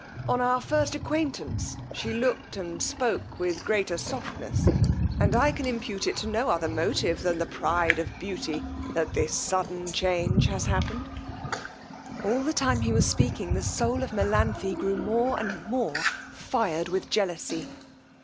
On our first acquaintance she looked and spoke with greater softness, and I can impute it to no other motive than the pride of beauty, that this sudden change has happened. All the time he was speaking, the soul of Melanthe grew more and more fired with jealousy.